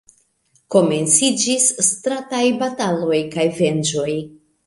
Komenciĝis strataj bataloj kaj venĝoj.